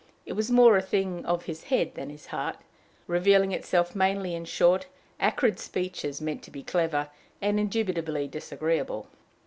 It was more a thing of his head than his heart, revealing itself mainly in short, acrid speeches, meant to be clever, and indubitably disagreeable.